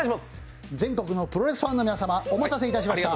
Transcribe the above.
全国のプロレスファンの皆様、お待たせしました。